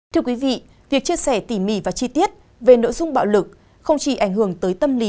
thưa quý vị việc chia sẻ tỉ mỉ và chi tiết về nội dung bạo lực không chỉ ảnh hưởng tới tâm lý